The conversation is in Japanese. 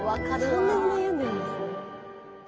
そんなに悩んでるんですね。